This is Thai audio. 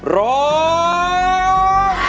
ร้อง